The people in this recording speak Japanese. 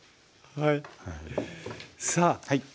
はい。